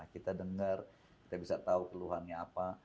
kita dengar kita bisa tahu keluhannya apa